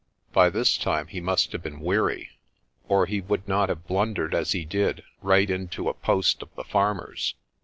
By this time he must have been weary, or he would not have blundered as he did right into a post of the farmers.